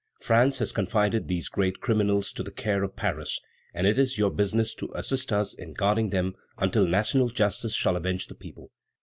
France has confided these great criminals to the care of Paris; and it is your business to assist us in guarding them until national justice shall avenge the people."